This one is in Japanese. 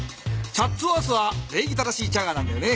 チャッツワースはれいぎ正しいチャガーなんだよね。